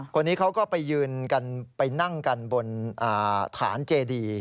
คนนี้เขาก็ไปยืนกันไปนั่งกันบนฐานเจดี